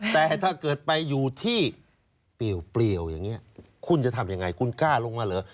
แต่ถ้าเกิดไปอยู่ที่เปลี่ยวอย่างนี้คุณจะทำยังไงคุณกล้าลงมาเหรอ